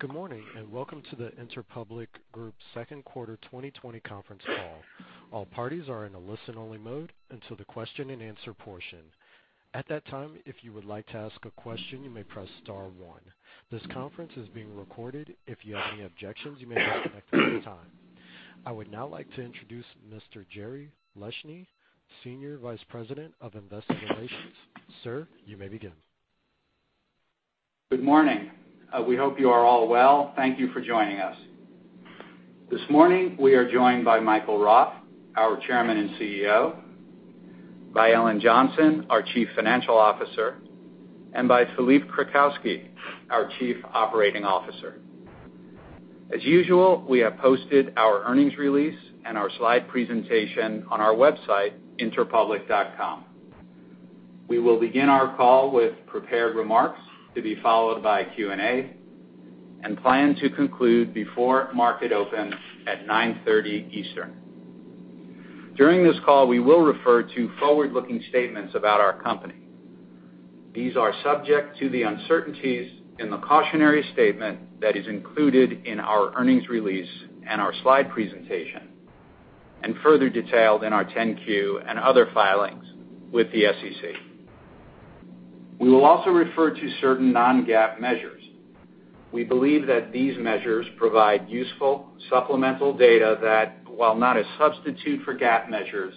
Good morning and welcome to the Interpublic Group second quarter 2020 conference call. All parties are in a listen-only mode until the question and answer portion. At that time, if you would like to ask a question, you may press star one. This conference is being recorded. If you have any objections, you may disconnect at any time. I would now like to introduce Mr. Jerry Leshne, Senior Vice President of Investor Relations. Sir, you may begin. Good morning. We hope you are all well. Thank you for joining us. This morning, we are joined by Michael Roth, our Chairman and CEO, by Ellen Johnson, our Chief Financial Officer, and by Philippe Krakowsky, our Chief Operating Officer. As usual, we have posted our earnings release and our slide presentation on our website, interpublic.com. We will begin our call with prepared remarks to be followed by Q&A and plan to conclude before market opens at 9:30 A.M. Eastern. During this call, we will refer to forward-looking statements about our company. These are subject to the uncertainties in the cautionary statement that is included in our earnings release and our slide presentation, and further detailed in our 10-Q and other filings with the SEC. We will also refer to certain non-GAAP measures. We believe that these measures provide useful supplemental data that, while not a substitute for GAAP measures,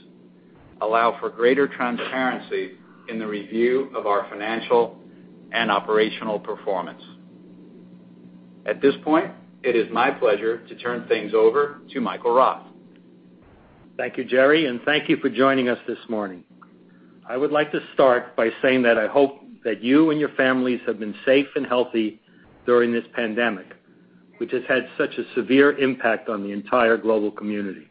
allow for greater transparency in the review of our financial and operational performance. At this point, it is my pleasure to turn things over to Michael Roth. Thank you, Jerry, and thank you for joining us this morning. I would like to start by saying that I hope that you and your families have been safe and healthy during this pandemic, which has had such a severe impact on the entire global community.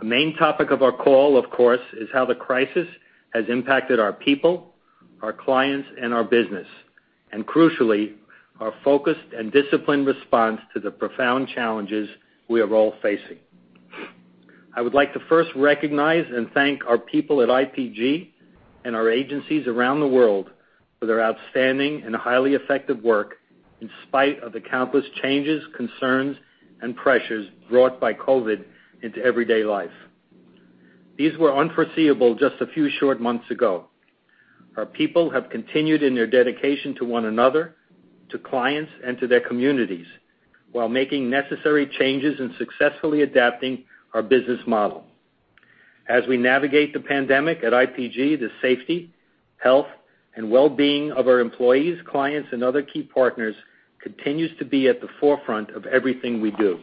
The main topic of our call, of course, is how the crisis has impacted our people, our clients, and our business, and crucially, our focused and disciplined response to the profound challenges we are all facing. I would like to first recognize and thank our people at IPG and our agencies around the world for their outstanding and highly effective work in spite of the countless changes, concerns, and pressures brought by COVID into everyday life. These were unforeseeable just a few short months ago. Our people have continued in their dedication to one another, to clients, and to their communities while making necessary changes and successfully adapting our business model. As we navigate the pandemic at IPG, the safety, health, and well-being of our employees, clients, and other key partners continues to be at the forefront of everything we do.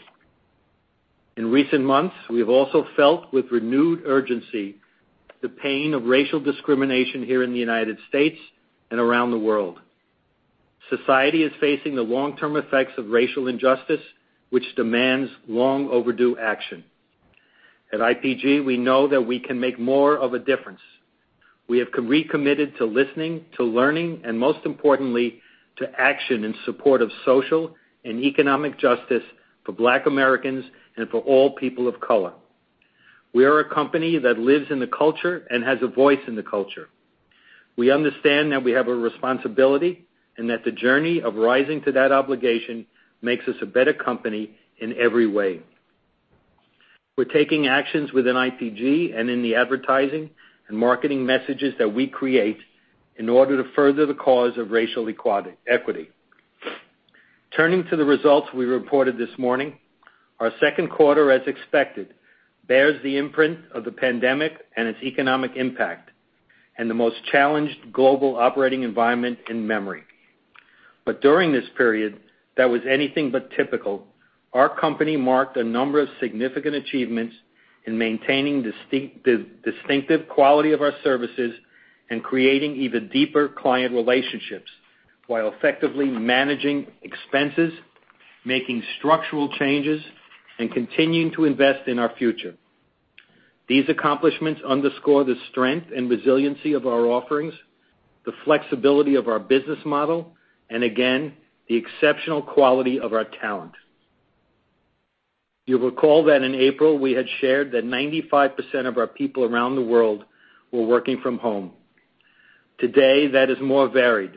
In recent months, we have also felt, with renewed urgency, the pain of racial discrimination here in the United States and around the world. Society is facing the long-term effects of racial injustice, which demands long-overdue action. At IPG, we know that we can make more of a difference. We have recommitted to listening, to learning, and most importantly, to action in support of social and economic justice for Black Americans and for all people of color. We are a company that lives in the culture and has a voice in the culture. We understand that we have a responsibility and that the journey of rising to that obligation makes us a better company in every way. We're taking actions within IPG and in the advertising and marketing messages that we create in order to further the cause of racial equity. Turning to the results we reported this morning, our second quarter, as expected, bears the imprint of the pandemic and its economic impact and the most challenged global operating environment in memory. But during this period, that was anything but typical. Our company marked a number of significant achievements in maintaining the distinctive quality of our services and creating even deeper client relationships while effectively managing expenses, making structural changes, and continuing to invest in our future. These accomplishments underscore the strength and resiliency of our offerings, the flexibility of our business model, and again, the exceptional quality of our talent. You'll recall that in April, we had shared that 95% of our people around the world were working from home. Today, that is more varied,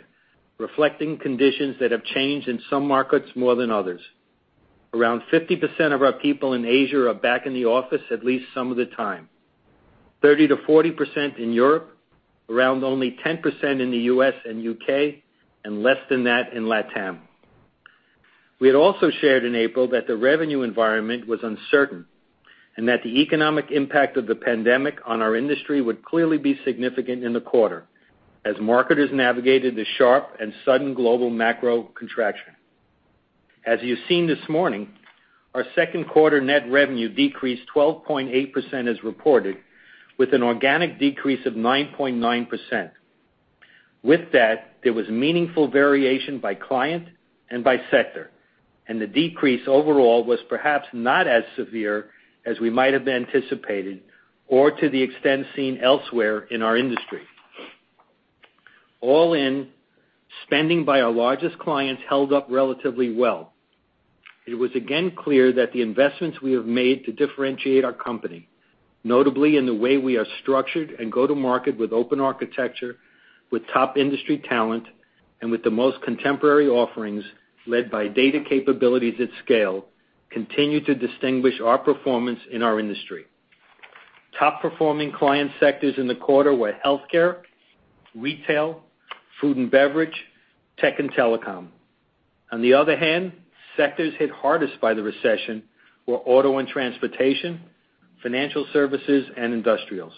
reflecting conditions that have changed in some markets more than others. Around 50% of our people in Asia are back in the office at least some of the time, 30%-40% in Europe, around only 10% in the U.S. and U.K., and less than that in LatAm. We had also shared in April that the revenue environment was uncertain and that the economic impact of the pandemic on our industry would clearly be significant in the quarter as marketers navigated the sharp and sudden global macro contraction. As you've seen this morning, our second quarter net revenue decreased 12.8% as reported, with an organic decrease of 9.9%. With that, there was meaningful variation by client and by sector, and the decrease overall was perhaps not as severe as we might have anticipated or to the extent seen elsewhere in our industry. All in, spending by our largest clients held up relatively well. It was again clear that the investments we have made to differentiate our company, notably in the way we are structured and go to market with open architecture, with top industry talent, and with the most contemporary offerings led by data capabilities at scale, continue to distinguish our performance in our industry. Top-performing client sectors in the quarter were healthcare, retail, food and beverage, tech, and telecom. On the other hand, sectors hit hardest by the recession were auto and transportation, financial services, and industrials.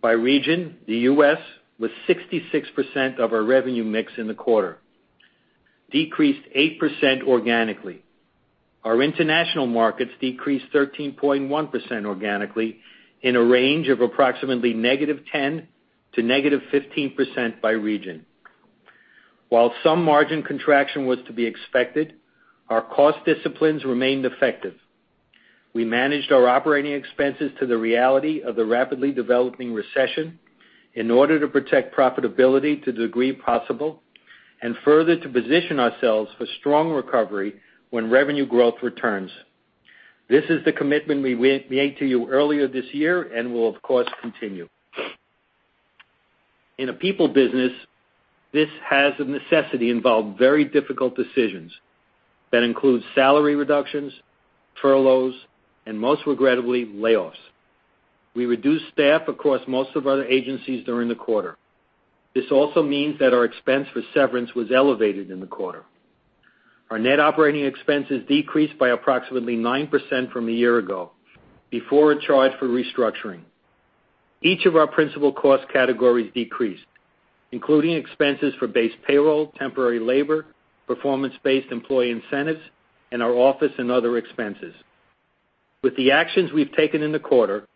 By region, the U.S. was 66% of our revenue mix in the quarter, decreased 8% organically. Our international markets decreased 13.1% organically in a range of approximately -10% to -15% by region. While some margin contraction was to be expected, our cost disciplines remained effective. We managed our operating expenses to the reality of the rapidly developing recession in order to protect profitability to the degree possible and further to position ourselves for strong recovery when revenue growth returns. This is the commitment we made to you earlier this year and will, of course, continue. In a people business, this has necessitated very difficult decisions that include salary reductions, furloughs, and most regrettably, layoffs. We reduced staff across most of our agencies during the quarter. This also means that our expense for severance was elevated in the quarter. Our net operating expenses decreased by approximately 9% from a year ago before a charge for restructuring. Each of our principal cost categories decreased, including expenses for base payroll, temporary labor, performance-based employee incentives, and our office and other expenses. With the actions we've taken in the quarter,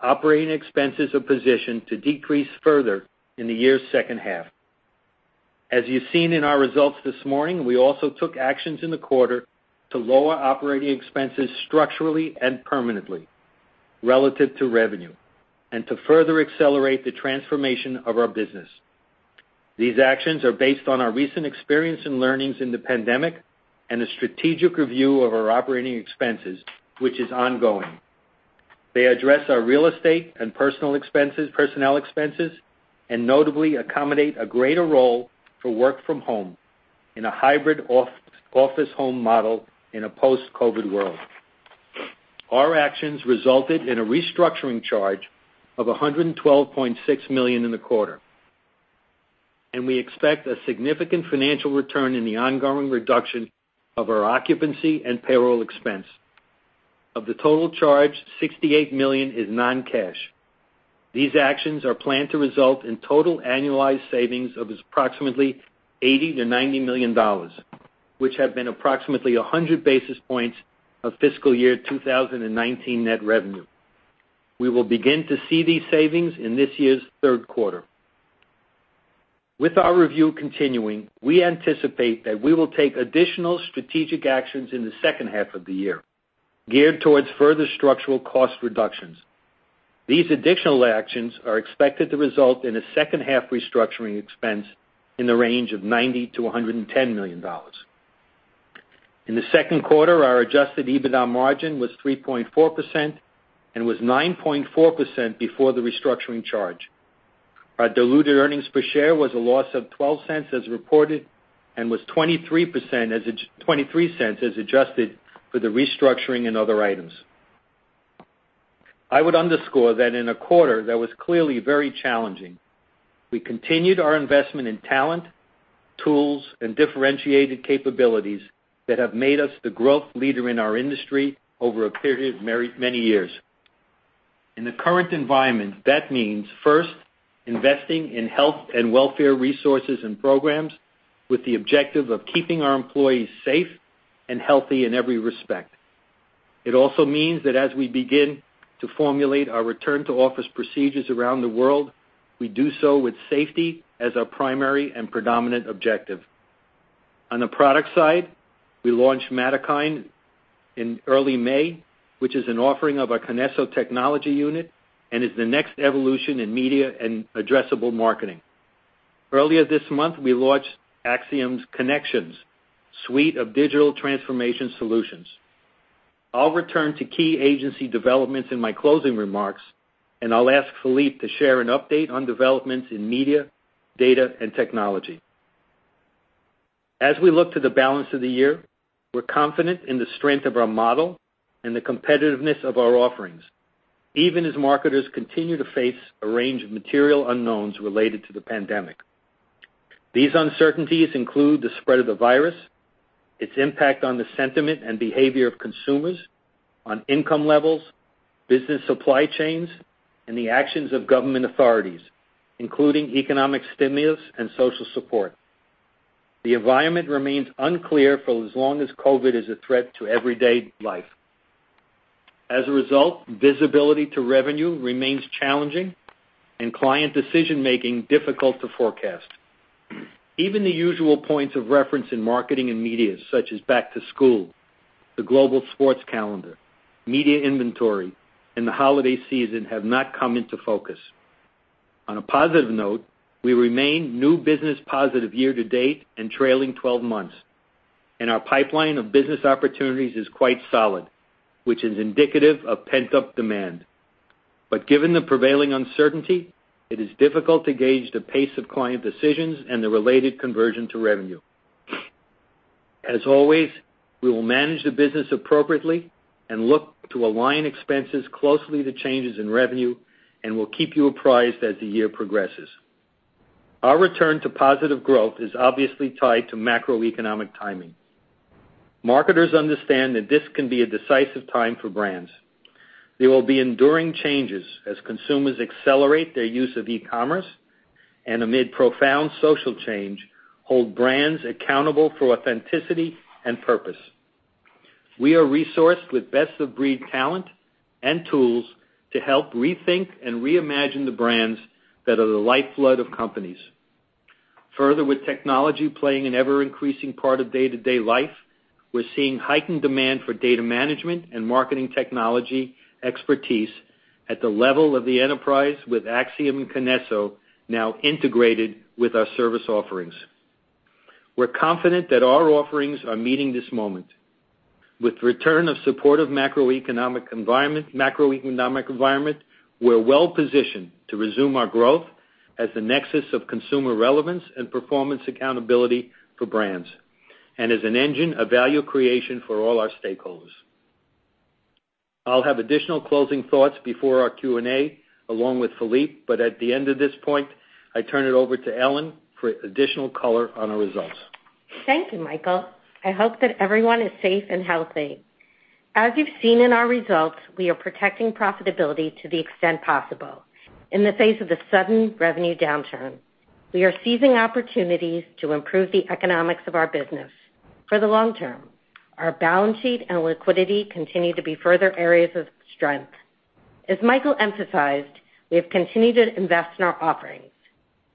operating expenses are positioned to decrease further in the year's second half. As you've seen in our results this morning, we also took actions in the quarter to lower operating expenses structurally and permanently relative to revenue and to further accelerate the transformation of our business. These actions are based on our recent experience and learnings in the pandemic and a strategic review of our operating expenses, which is ongoing. They address our real estate and personal expenses, and notably, accommodate a greater role for work from home in a hybrid office-home model in a post-COVID world. Our actions resulted in a restructuring charge of $112.6 million in the quarter, and we expect a significant financial return in the ongoing reduction of our occupancy and payroll expense. Of the total charge, $68 million is non-cash. These actions are planned to result in total annualized savings of approximately $80 million-$90 million, which have been approximately 100 basis points of fiscal year 2019 net revenue. We will begin to see these savings in this year's third quarter. With our review continuing, we anticipate that we will take additional strategic actions in the second half of the year geared towards further structural cost reductions. These additional actions are expected to result in a second half restructuring expense in the range of $90 million-$110 million. In the second quarter, our adjusted EBITDA margin was 3.4% and was 9.4% before the restructuring charge. Our diluted earnings per share was a loss of $0.12 as reported and was $0.23 as adjusted for the restructuring and other items. I would underscore that in a quarter that was clearly very challenging, we continued our investment in talent, tools, and differentiated capabilities that have made us the growth leader in our industry over a period of many years. In the current environment, that means, first, investing in health and welfare resources and programs with the objective of keeping our employees safe and healthy in every respect. It also means that as we begin to formulate our return to office procedures around the world, we do so with safety as our primary and predominant objective. On the product side, we launched Matterkind in early May, which is an offering of our KINESSO Technology Unit and is the next evolution in media and addressable marketing. Earlier this month, we launched Acxiom's Connections suite of digital transformation solutions. I'll return to key agency developments in my closing remarks, and I'll ask Philippe to share an update on developments in media, data, and technology. As we look to the balance of the year, we're confident in the strength of our model and the competitiveness of our offerings, even as marketers continue to face a range of material unknowns related to the pandemic. These uncertainties include the spread of the virus, its impact on the sentiment and behavior of consumers, on income levels, business supply chains, and the actions of government authorities, including economic stimulus and social support. The environment remains unclear for as long as COVID is a threat to everyday life. As a result, visibility to revenue remains challenging and client decision-making difficult to forecast. Even the usual points of reference in marketing and media, such as back to school, the global sports calendar, media inventory, and the holiday season have not come into focus. On a positive note, we remain new business positive year to date and trailing 12 months, and our pipeline of business opportunities is quite solid, which is indicative of pent-up demand. But given the prevailing uncertainty, it is difficult to gauge the pace of client decisions and the related conversion to revenue. As always, we will manage the business appropriately and look to align expenses closely to changes in revenue, and we'll keep you apprised as the year progresses. Our return to positive growth is obviously tied to macroeconomic timing. Marketers understand that this can be a decisive time for brands. There will be enduring changes as consumers accelerate their use of e-commerce and, amid profound social change, hold brands accountable for authenticity and purpose. We are resourced with best-of-breed talent and tools to help rethink and reimagine the brands that are the lifeblood of companies. Further, with technology playing an ever-increasing part of day-to-day life, we're seeing heightened demand for data management and marketing technology expertise at the level of the enterprise, with Acxiom and KINESSO now integrated with our service offerings. We're confident that our offerings are meeting this moment. With the return of supportive macroeconomic environment, we're well-positioned to resume our growth as the nexus of consumer relevance and performance accountability for brands and as an engine of value creation for all our stakeholders. I'll have additional closing thoughts before our Q&A along with Philippe, but at the end of this point, I turn it over to Ellen for additional color on our results. Thank you, Michael. I hope that everyone is safe and healthy. As you've seen in our results, we are protecting profitability to the extent possible. In the face of the sudden revenue downturn, we are seizing opportunities to improve the economics of our business for the long term. Our balance sheet and liquidity continue to be further areas of strength. As Michael emphasized, we have continued to invest in our offerings.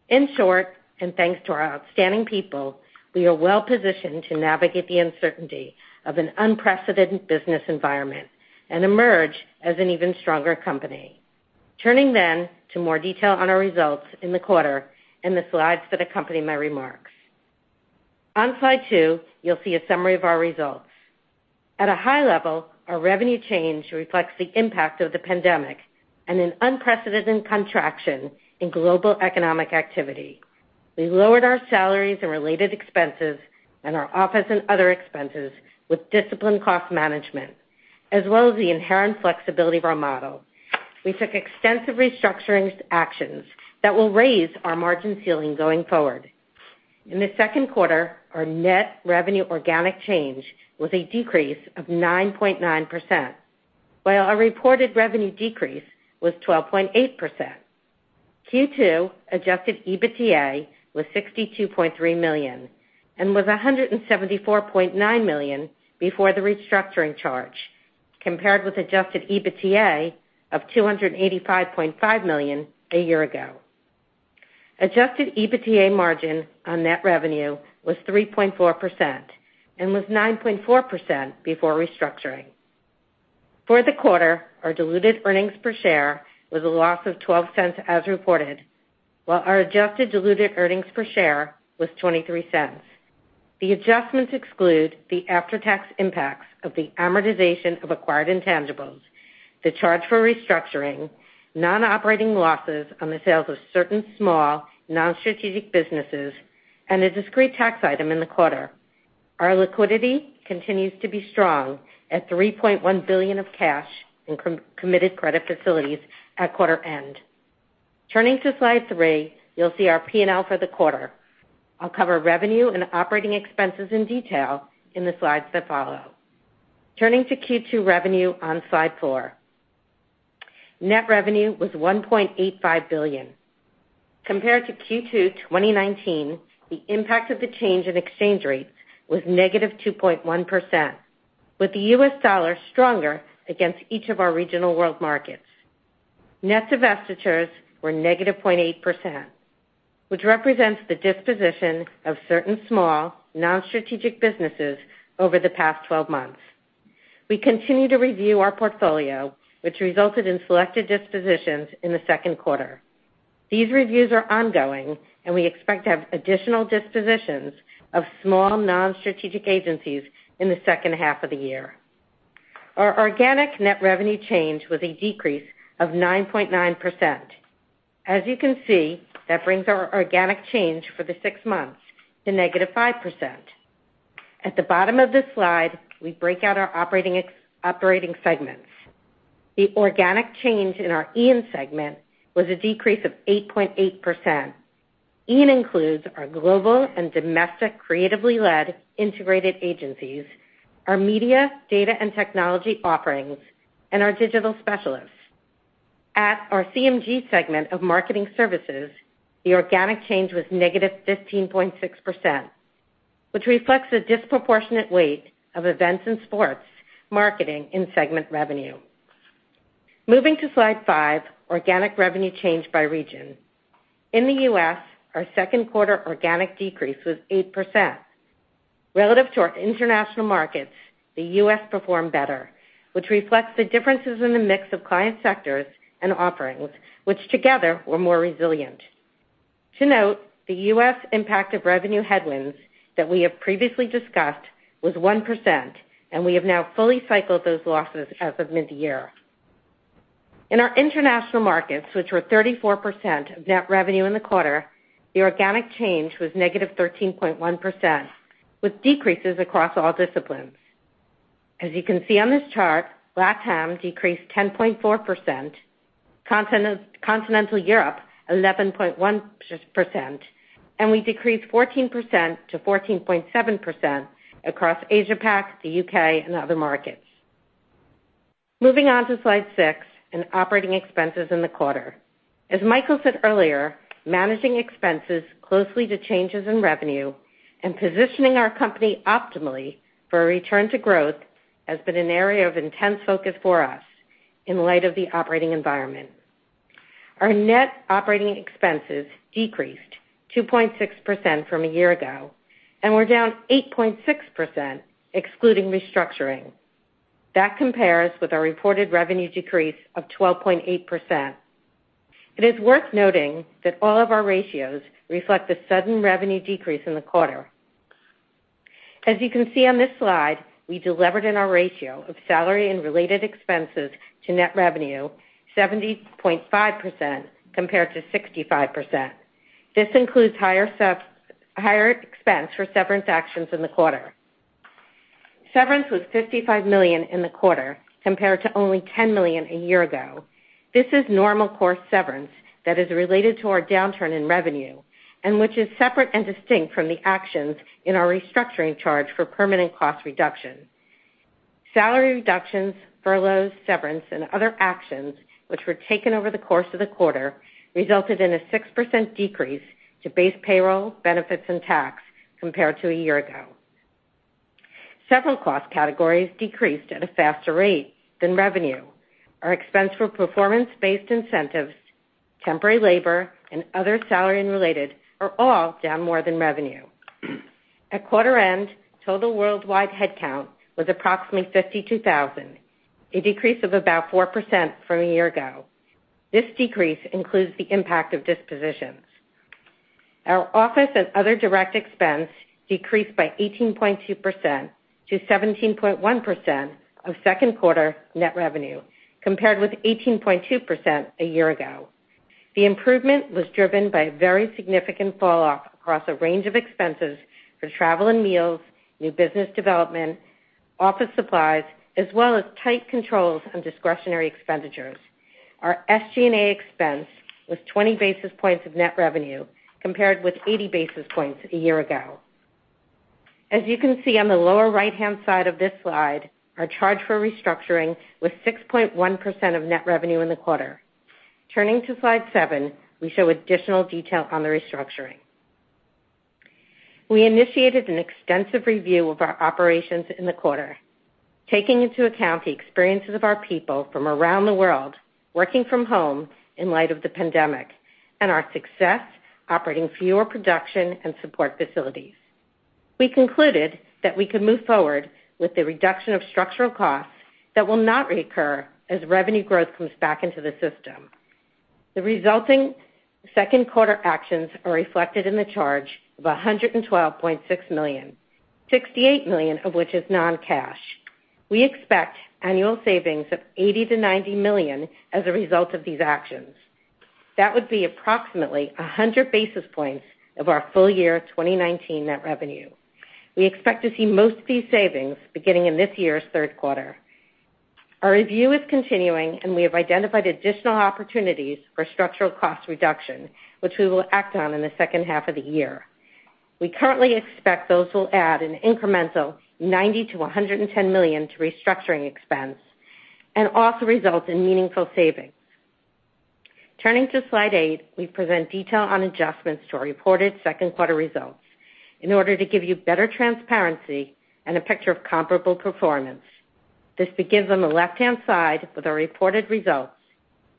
In short, and thanks to our outstanding people, we are well-positioned to navigate the uncertainty of an unprecedented business environment and emerge as an even stronger company. Turning then to more detail on our results in the quarter and the slides that accompany my remarks. On slide two, you'll see a summary of our results. At a high level, our revenue change reflects the impact of the pandemic and an unprecedented contraction in global economic activity. We lowered our salaries and related expenses and our office and other expenses with disciplined cost management, as well as the inherent flexibility of our model. We took extensive restructuring actions that will raise our margin ceiling going forward. In the second quarter, our net revenue organic change was a decrease of 9.9%, while our reported revenue decrease was 12.8%. Q2 Adjusted EBITDA was $62.3 million and was $174.9 million before the restructuring charge, compared with Adjusted EBITDA of $285.5 million a year ago. Adjusted EBITDA margin on net revenue was 3.4% and was 9.4% before restructuring. For the quarter, our diluted earnings per share was a loss of $0.12 as reported, while our adjusted diluted earnings per share was $0.23. The adjustments exclude the after-tax impacts of the amortization of acquired intangibles, the charge for restructuring, non-operating losses on the sales of certain small non-strategic businesses, and a discrete tax item in the quarter. Our liquidity continues to be strong at $3.1 billion of cash and committed credit facilities at quarter end. Turning to slide three, you'll see our P&L for the quarter. I'll cover revenue and operating expenses in detail in the slides that follow. Turning to Q2 revenue on slide four, net revenue was $1.85 billion. Compared to Q2 2019, the impact of the change in exchange rates was -2.1%, with the U.S. dollar stronger against each of our regional world markets. Net divestitures were -0.8%, which represents the disposition of certain small non-strategic businesses over the past 12 months. We continue to review our portfolio, which resulted in selected dispositions in the second quarter. These reviews are ongoing, and we expect to have additional dispositions of small non-strategic agencies in the second half of the year. Our organic net revenue change was a decrease of 9.9%. As you can see, that brings our organic change for the six months to -5%. At the bottom of this slide, we break out our operating segments. The organic change in our IAN segment was a decrease of 8.8%. IAN includes our global and domestic creatively led integrated agencies, our media, data, and technology offerings, and our digital specialists. At our CMG segment of marketing services, the organic change was -15.6%, which reflects the disproportionate weight of events and sports marketing in segment revenue. Moving to slide five, organic revenue change by region. In the U.S., our second quarter organic decrease was 8%. Relative to our international markets, the U.S. performed better, which reflects the differences in the mix of client sectors and offerings, which together were more resilient. To note, the U.S. impact of revenue headwinds that we have previously discussed was 1%, and we have now fully cycled those losses as of mid-year. In our international markets, which were 34% of net revenue in the quarter, the organic change was -3.1%, with decreases across all disciplines. As you can see on this chart, LatAm decreased 10.4%, Continental Europe 11.1%, and we decreased 14%-14.7% across Asia-Pac, the U.K., and other markets. Moving on to slide six and operating expenses in the quarter. As Michael said earlier, managing expenses closely to changes in revenue and positioning our company optimally for a return to growth has been an area of intense focus for us in light of the operating environment. Our net operating expenses decreased 2.6% from a year ago, and we're down 8.6% excluding restructuring. That compares with our reported revenue decrease of 12.8%. It is worth noting that all of our ratios reflect the sudden revenue decrease in the quarter. As you can see on this slide, we delivered in our ratio of salary and related expenses to net revenue 70.5% compared to 65%. This includes higher expense for severance actions in the quarter. Severance was $55 million in the quarter compared to only $10 million a year ago. This is normal course severance that is related to our downturn in revenue and which is separate and distinct from the actions in our restructuring charge for permanent cost reduction. Salary reductions, furloughs, severance, and other actions which were taken over the course of the quarter resulted in a 6% decrease to base payroll, benefits, and tax compared to a year ago. Several cost categories decreased at a faster rate than revenue. Our expense for performance-based incentives, temporary labor, and other salary and related are all down more than revenue. At quarter end, total worldwide headcount was approximately 52,000, a decrease of about 4% from a year ago. This decrease includes the impact of dispositions. Our office and other direct expense decreased by 18.2% to 17.1% of second quarter net revenue compared with 18.2% a year ago. The improvement was driven by a very significant falloff across a range of expenses for travel and meals, new business development, office supplies, as well as tight controls on discretionary expenditures. Our SG&A expense was 20 basis points of net revenue compared with 80 basis points a year ago. As you can see on the lower right-hand side of this slide, our charge for restructuring was 6.1% of net revenue in the quarter. Turning to slide seven, we show additional detail on the restructuring. We initiated an extensive review of our operations in the quarter, taking into account the experiences of our people from around the world working from home in light of the pandemic and our success operating fewer production and support facilities. We concluded that we could move forward with the reduction of structural costs that will not reoccur as revenue growth comes back into the system. The resulting second quarter actions are reflected in the charge of $112.6 million, $68 million of which is non-cash. We expect annual savings of $80 million-$90 million as a result of these actions. That would be approximately 100 basis points of our full year 2019 net revenue. We expect to see most of these savings beginning in this year's third quarter. Our review is continuing, and we have identified additional opportunities for structural cost reduction, which we will act on in the second half of the year. We currently expect those will add an incremental $90 million-$110 million to restructuring expense and also result in meaningful savings. Turning to slide eight, we present detail on adjustments to our reported second quarter results in order to give you better transparency and a picture of comparable performance. This begins on the left-hand side with our reported results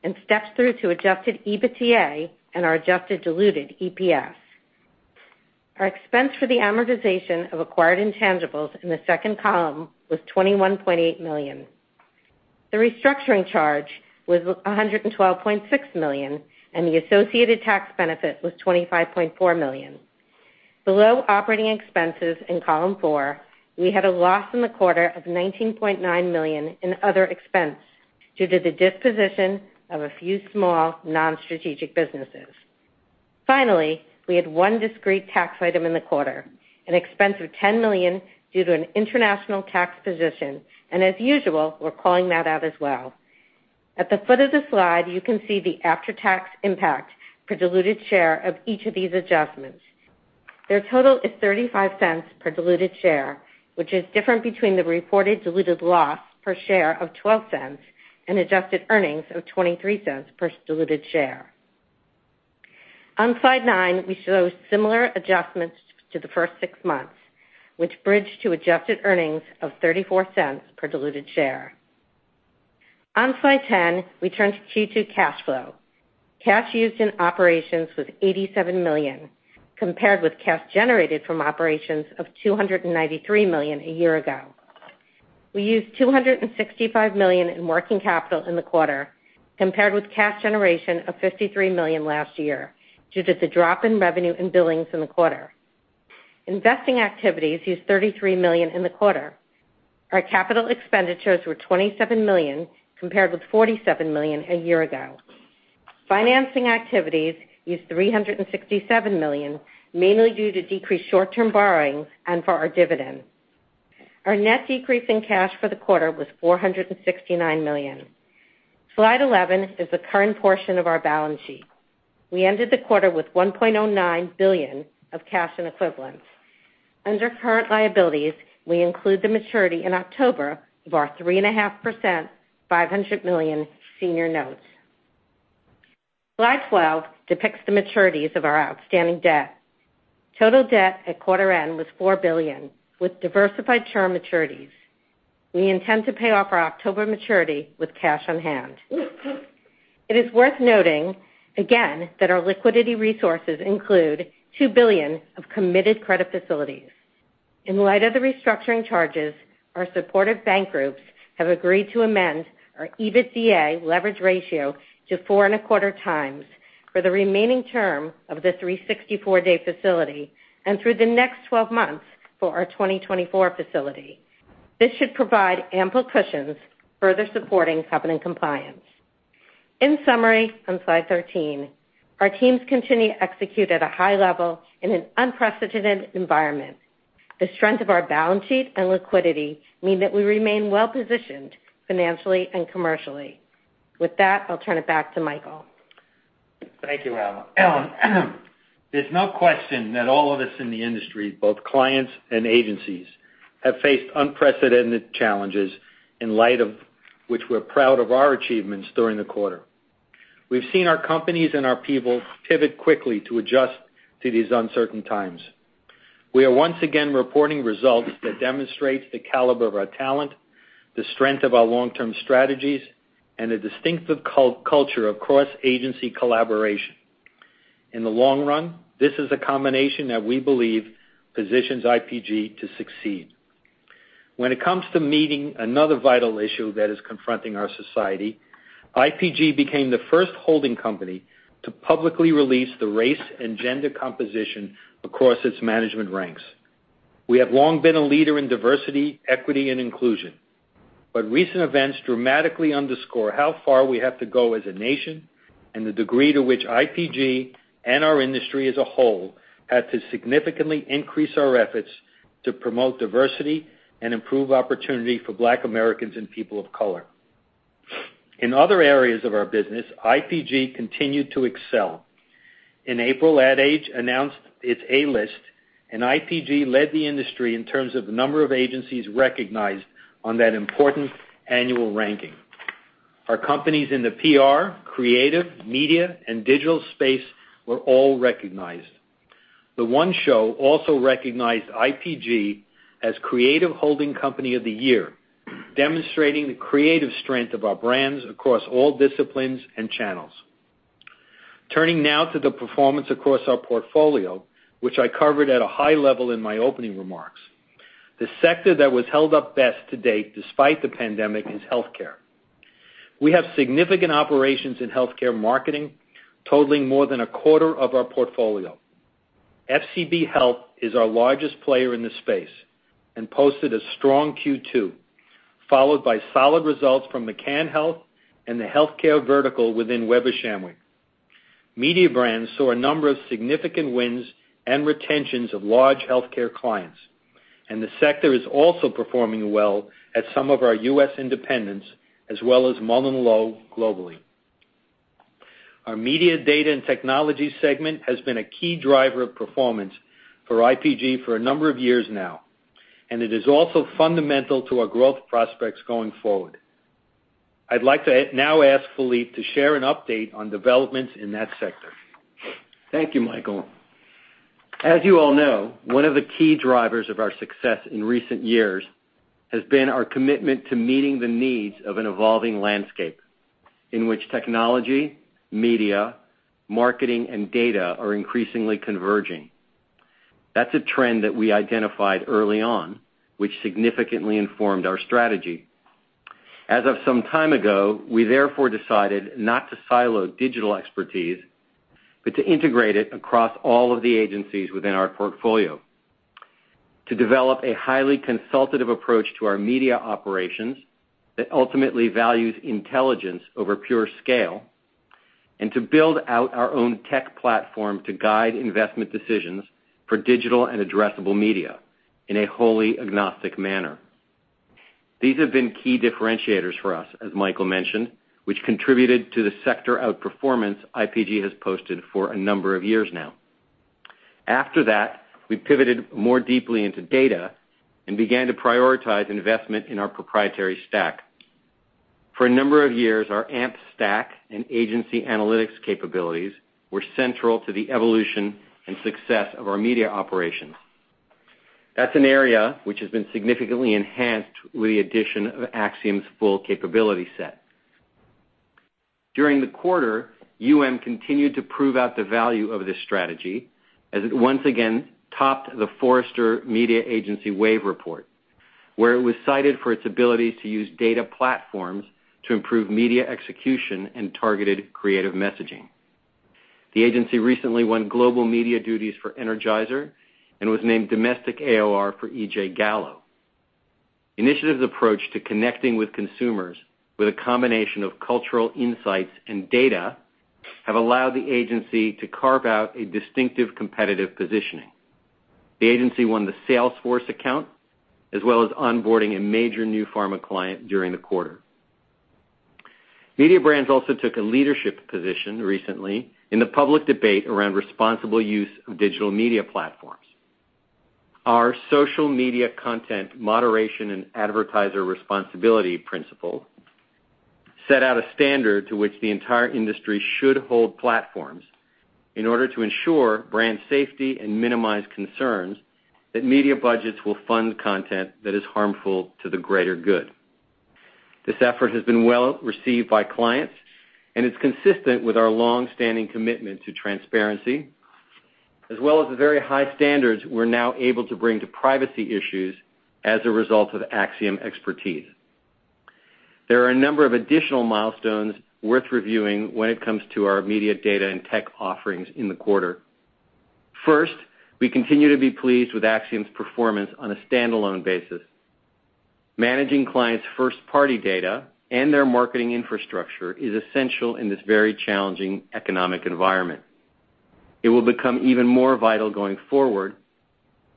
and steps through to adjusted EBITDA and our adjusted diluted EPS. Our expense for the amortization of acquired intangibles in the second column was $21.8 million. The restructuring charge was $112.6 million, and the associated tax benefit was $25.4 million. Below operating expenses in column four, we had a loss in the quarter of $19.9 million in other expense due to the disposition of a few small non-strategic businesses. Finally, we had one discrete tax item in the quarter, an expense of $10 million due to an international tax position, and as usual, we're calling that out as well. At the foot of the slide, you can see the after-tax impact for diluted share of each of these adjustments. Their total is $0.35 per diluted share, which is different between the reported diluted loss per share of $0.12 and adjusted earnings of $0.23 per diluted share. On slide nine, we show similar adjustments to the first six months, which bridge to adjusted earnings of $0.34 per diluted share. On slide 10, we turn to Q2 cash flow. Cash used in operations was $87 million compared with cash generated from operations of $293 million a year ago. We used $265 million in working capital in the quarter compared with cash generation of $53 million last year due to the drop in revenue and billings in the quarter. Investing activities used $33 million in the quarter. Our capital expenditures were $27 million compared with $47 million a year ago. Financing activities used $367 million, mainly due to decreased short-term borrowing and for our dividend. Our net decrease in cash for the quarter was $469 million. Slide 11 is the current portion of our balance sheet. We ended the quarter with $1.09 billion of cash and equivalents. Under current liabilities, we include the maturity in October of our 3.5%, $500 million senior notes. Slide 12 depicts the maturities of our outstanding debt. Total debt at quarter end was $4 billion with diversified term maturities. We intend to pay off our October maturity with cash on hand. It is worth noting again that our liquidity resources include $2 billion of committed credit facilities. In light of the restructuring charges, our supportive bank groups have agreed to amend our EBITDA leverage ratio to 4.25x for the remaining term of the 364-day facility and through the next 12 months for our 2024 facility. This should provide ample cushions further supporting covenant compliance. In summary, on slide 13, our teams continue to execute at a high level in an unprecedented environment. The strength of our balance sheet and liquidity mean that we remain well-positioned financially and commercially. With that, I'll turn it back to Michael. Thank you, Ellen. There's no question that all of us in the industry, both clients and agencies, have faced unprecedented challenges in light of which we're proud of our achievements during the quarter. We've seen our companies and our people pivot quickly to adjust to these uncertain times. We are once again reporting results that demonstrate the caliber of our talent, the strength of our long-term strategies, and the distinctive culture of cross-agency collaboration. In the long run, this is a combination that we believe positions IPG to succeed. When it comes to meeting another vital issue that is confronting our society, IPG became the first holding company to publicly release the race and gender composition across its management ranks. We have long been a leader in diversity, equity, and inclusion, but recent events dramatically underscore how far we have to go as a nation and the degree to which IPG and our industry as a whole had to significantly increase our efforts to promote diversity and improve opportunity for Black Americans and people of color. In other areas of our business, IPG continued to excel. In April, Ad Age announced its A-List, and IPG led the industry in terms of the number of agencies recognized on that important annual ranking. Our companies in the PR, creative, media, and digital space were all recognized. The One Show also recognized IPG as Creative Holding Company of the Year, demonstrating the creative strength of our brands across all disciplines and channels. Turning now to the performance across our portfolio, which I covered at a high level in my opening remarks, the sector that was held up best to date despite the pandemic is healthcare. We have significant operations in healthcare marketing totaling more than a quarter of our portfolio. FCB Health is our largest player in the space and posted a strong Q2, followed by solid results from McCann Health and the healthcare vertical within Weber Shandwick. Mediabrands saw a number of significant wins and retentions of large healthcare clients, and the sector is also performing well at some of our U.S. independents as well as MullenLowe globally. Our media data and technology segment has been a key driver of performance for IPG for a number of years now, and it is also fundamental to our growth prospects going forward. I'd like to now ask Philippe to share an update on developments in that sector. Thank you, Michael. As you all know, one of the key drivers of our success in recent years has been our commitment to meeting the needs of an evolving landscape in which technology, media, marketing, and data are increasingly converging. That's a trend that we identified early on, which significantly informed our strategy. As of some time ago, we therefore decided not to silo digital expertise, but to integrate it across all of the agencies within our portfolio to develop a highly consultative approach to our media operations that ultimately values intelligence over pure scale, and to build out our own tech platform to guide investment decisions for digital and addressable media in a wholly agnostic manner. These have been key differentiators for us, as Michael mentioned, which contributed to the sector outperformance IPG has posted for a number of years now. After that, we pivoted more deeply into data and began to prioritize investment in our proprietary stack. For a number of years, our AMP stack and agency analytics capabilities were central to the evolution and success of our media operations. That's an area which has been significantly enhanced with the addition of Acxiom's full capability set. During the quarter, continued to prove out the value of this strategy as it once again topped the Forrester Media Agency Wave Report, where it was cited for its abilities to use data platforms to improve media execution and targeted creative messaging. The agency recently won global media duties for Energizer and was named domestic AOR for E. & J. Gallo. Initiative's approach to connecting with consumers with a combination of cultural insights and data have allowed the agency to carve out a distinctive competitive positioning. The agency won the Salesforce account as well as onboarding a major new pharma client during the quarter. Mediabrands also took a leadership position recently in the public debate around responsible use of digital media platforms. Our social media content moderation and advertiser responsibility principle set out a standard to which the entire industry should hold platforms in order to ensure brand safety and minimize concerns that media budgets will fund content that is harmful to the greater good. This effort has been well received by clients, and it's consistent with our long-standing commitment to transparency as well as the very high standards we're now able to bring to privacy issues as a result of Acxiom expertise. There are a number of additional milestones worth reviewing when it comes to our media data and tech offerings in the quarter. First, we continue to be pleased with Acxiom's performance on a standalone basis. Managing clients' first-party data and their marketing infrastructure is essential in this very challenging economic environment. It will become even more vital going forward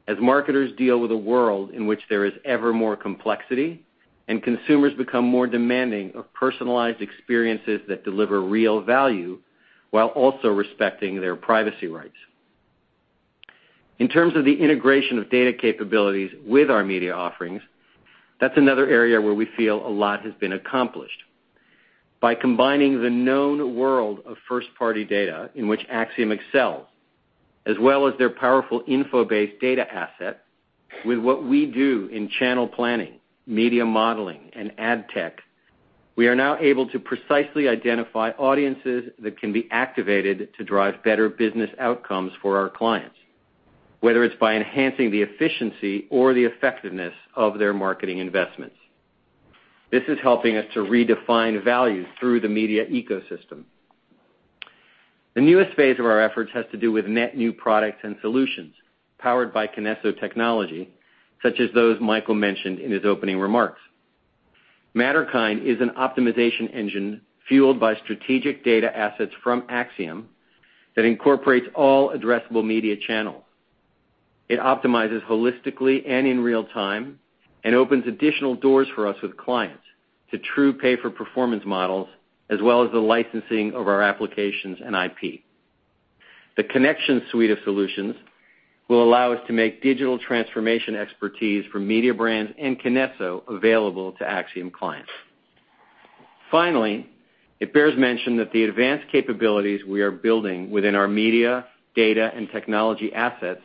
as marketers deal with a world in which there is ever more complexity and consumers become more demanding of personalized experiences that deliver real value while also respecting their privacy rights. In terms of the integration of data capabilities with our media offerings, that's another area where we feel a lot has been accomplished. By combining the known world of first-party data in which Acxiom excels, as well as their powerful InfoBase data asset, with what we do in channel planning, media modeling, and ad tech, we are now able to precisely identify audiences that can be activated to drive better business outcomes for our clients, whether it's by enhancing the efficiency or the effectiveness of their marketing investments. This is helping us to redefine value through the media ecosystem. The newest phase of our efforts has to do with net new products and solutions powered by KINESSO Technology, such as those Michael mentioned in his opening remarks. Matterkind is an optimization engine fueled by strategic data assets from Acxiom that incorporates all addressable media channels. It optimizes holistically and in real time and opens additional doors for us with clients to true pay-for-performance models as well as the licensing of our applications and IP. The Connections suite of solutions will allow us to make digital transformation expertise for Mediabrands and KINESSO available to Acxiom clients. Finally, it bears mention that the advanced capabilities we are building within our media, data, and technology assets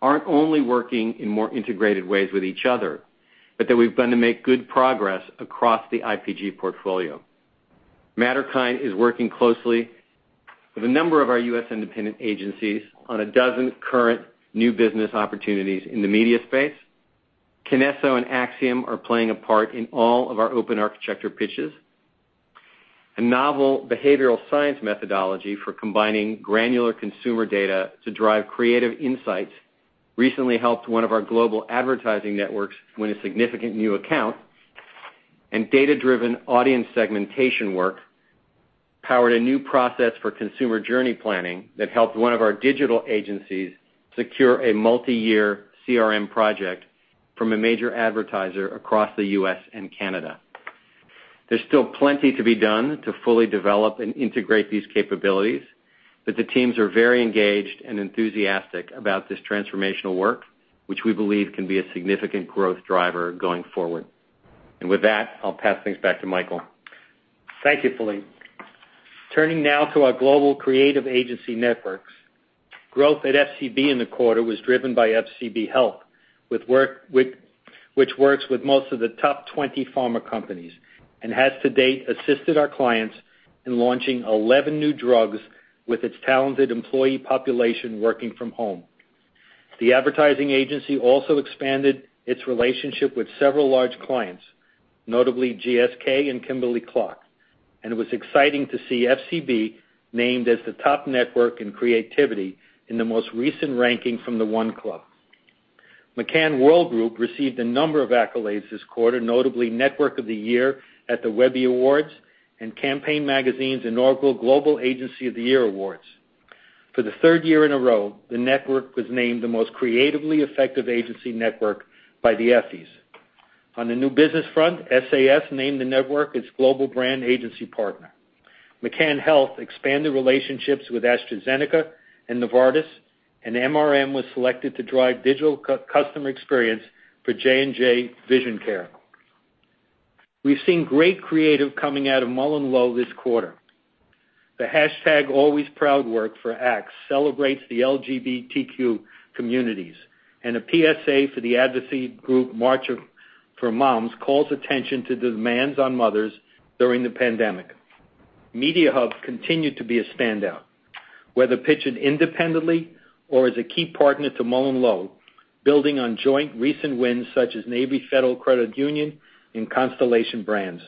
aren't only working in more integrated ways with each other, but that we've been to make good progress across the IPG portfolio. Matterkind is working closely with a number of our U.S. independent agencies on a dozen current new business opportunities in the media space. KINESSO and Acxiom are playing a part in all of our open architecture pitches. A novel behavioral science methodology for combining granular consumer data to drive creative insights recently helped one of our global advertising networks win a significant new account, and data-driven audience segmentation work powered a new process for consumer journey planning that helped one of our digital agencies secure a multi-year CRM project from a major advertiser across the U.S. and Canada. There's still plenty to be done to fully develop and integrate these capabilities, but the teams are very engaged and enthusiastic about this transformational work, which we believe can be a significant growth driver going forward, and with that, I'll pass things back to Michael. Thank you, Philippe. Turning now to our global creative agency networks, growth at FCB in the quarter was driven by FCB Health, which works with most of the top 20 pharma companies and has to date assisted our clients in launching 11 new drugs with its talented employee population working from home. The advertising agency also expanded its relationship with several large clients, notably GSK and Kimberly-Clark, and it was exciting to see FCB named as the top network in creativity in the most recent ranking from the One Club. McCann Worldgroup received a number of accolades this quarter, notably Network of the Year at the Webby Awards and Campaign Magazine's inaugural Global Agency of the Year Awards. For the third year in a row, the network was named the Most Creatively Effective Agency Network by the Effies. On the new business front, SAS named the network its global brand agency partner. McCann Health expanded relationships with AstraZeneca and Novartis, and MRM was selected to drive digital customer experience for J&J Vision Care. We've seen great creative coming out of MullenLowe this quarter. The #AlwaysProud work for Axe celebrates the LGBTQ communities, and a PSA for the Advocacy Group March for Moms calls attention to the demands on mothers during the pandemic. Mediahub continued to be a standout, whether pitched independently or as a key partner to MullenLowe, building on joint recent wins such as Navy Federal Credit Union and Constellation Brands.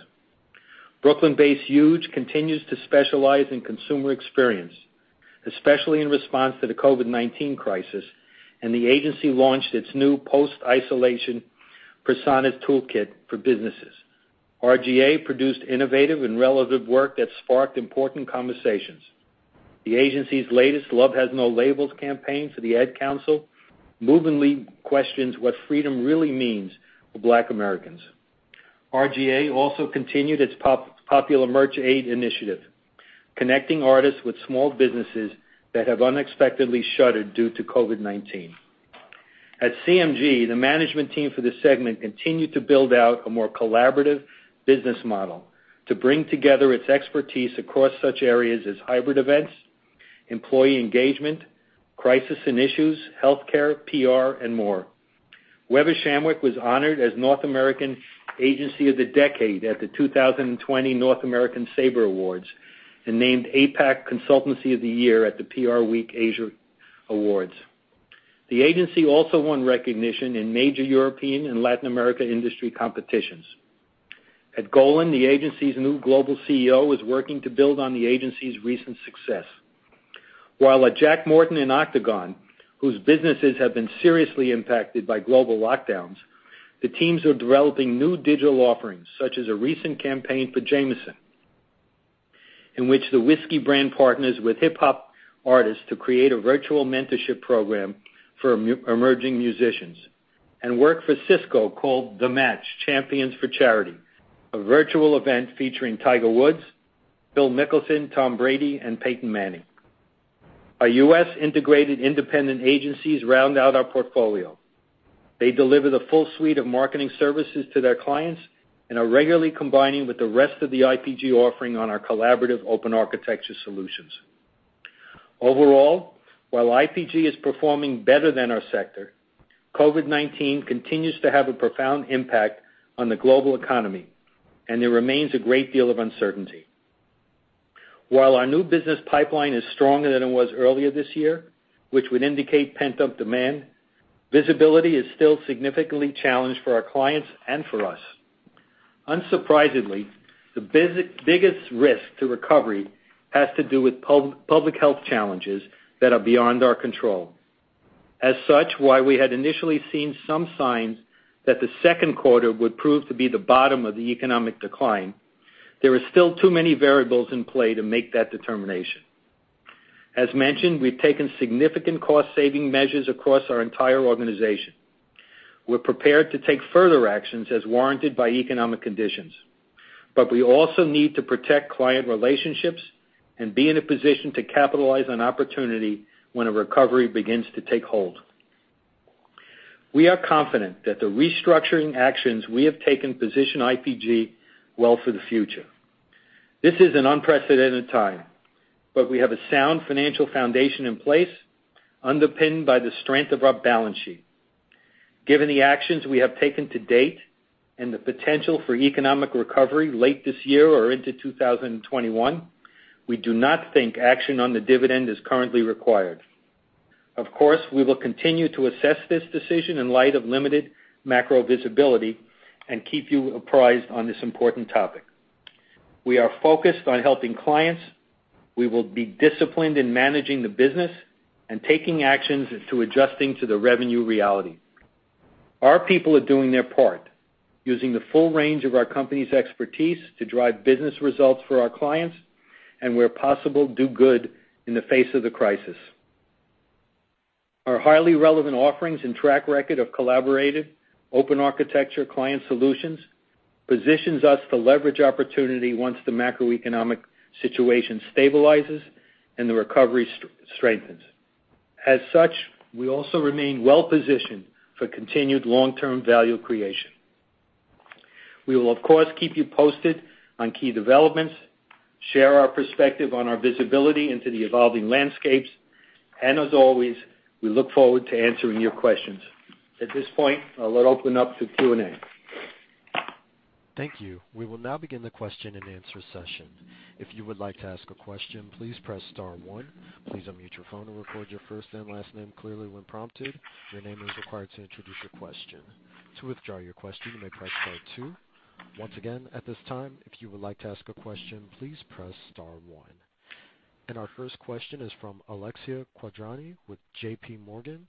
Brooklyn-based Huge continues to specialize in consumer experience, especially in response to the COVID-19 crisis, and the agency launched its new Post-Isolation Personas Toolkit for businesses. R/GA produced innovative and relevant work that sparked important conversations. The agency's latest Love Has No Labels campaign for the Ad Council movingly questions what freedom really means for Black Americans. R/GA also continued its popular Merch Aid initiative, connecting artists with small businesses that have unexpectedly shuttered due to COVID-19. At CMG, the management team for this segment continued to build out a more collaborative business model to bring together its expertise across such areas as hybrid events, employee engagement, crisis and issues, healthcare, PR, and more. Weber Shandwick was honored as North American Agency of the Decade at the 2020 North American SABRE Awards and named APAC Consultancy of the Year at the PRWeek Asia Awards. The agency also won recognition in major European and Latin America industry competitions. At Golin, the agency's new global CEO is working to build on the agency's recent success. While at Jack Morton and Octagon, whose businesses have been seriously impacted by global lockdowns, the teams are developing new digital offerings, such as a recent campaign for Jameson, in which the whiskey brand partners with hip-hop artists to create a virtual mentorship program for emerging musicians, and work for Cisco called The Match: Champions for Charity, a virtual event featuring Tiger Woods, Phil Mickelson, Tom Brady, and Peyton Manning. Our U.S. integrated independent agencies round out our portfolio. They deliver the full suite of marketing services to their clients and are regularly combining with the rest of the IPG offering on our collaborative open architecture solutions. Overall, while IPG is performing better than our sector, COVID-19 continues to have a profound impact on the global economy, and there remains a great deal of uncertainty. While our new business pipeline is stronger than it was earlier this year, which would indicate pent-up demand, visibility is still significantly challenged for our clients and for us. Unsurprisingly, the biggest risk to recovery has to do with public health challenges that are beyond our control. As such, while we had initially seen some signs that the second quarter would prove to be the bottom of the economic decline, there are still too many variables in play to make that determination. As mentioned, we've taken significant cost-saving measures across our entire organization. We're prepared to take further actions as warranted by economic conditions, but we also need to protect client relationships and be in a position to capitalize on opportunity when a recovery begins to take hold. We are confident that the restructuring actions we have taken position IPG well for the future. This is an unprecedented time, but we have a sound financial foundation in place underpinned by the strength of our balance sheet. Given the actions we have taken to date and the potential for economic recovery late this year or into 2021, we do not think action on the dividend is currently required. Of course, we will continue to assess this decision in light of limited macro visibility and keep you apprised on this important topic. We are focused on helping clients. We will be disciplined in managing the business and taking actions to adjust to the revenue reality. Our people are doing their part, using the full range of our company's expertise to drive business results for our clients and, where possible, do good in the face of the crisis. Our highly relevant offerings and track record of collaborative open architecture client solutions positions us to leverage opportunity once the macroeconomic situation stabilizes and the recovery strengthens. As such, we also remain well-positioned for continued long-term value creation. We will, of course, keep you posted on key developments, share our perspective on our visibility into the evolving landscapes, and as always, we look forward to answering your questions. At this point, I'll open up to Q&A. Thank you. We will now begin the question and answer session. If you would like to ask a question, please press star one. Please unmute your phone or record your first and last name clearly when prompted. Your name is required to introduce your question. To withdraw your question, you may press star two. Once again, at this time, if you would like to ask a question, please press star one. Our first question is from Alexia Quadrani with JPMorgan.